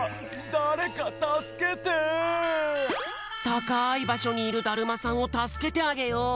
たかいばしょにいるだるまさんをたすけてあげよう！